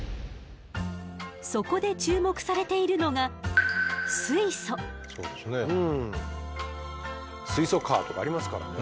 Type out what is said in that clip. そこで注目されているのが水素カーとかありますからね。